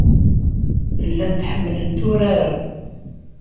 Llant ḥemmlent urar-a.